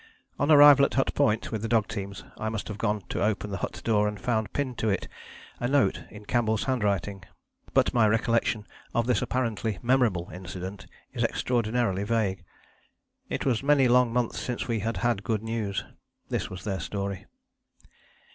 On arrival at Hut Point with the dog teams, I must have gone to open the hut door and found pinned on to it a note in Campbell's handwriting; but my recollection of this apparently memorable incident is extraordinarily vague. It was many long months since we had had good news. This was their story.